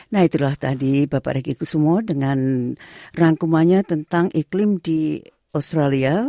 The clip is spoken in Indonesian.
nah itulah tadi bapak ricky kusumo dengan rangkumannya tentang iklim di australia